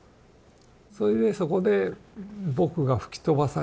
それでそこで僕が吹き飛ばされて。